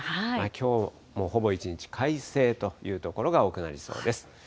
きょうもほぼ一日、快晴という所が多くなりそうです。